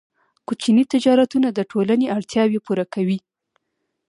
کوچني تجارتونه د ټولنې اړتیاوې پوره کوي.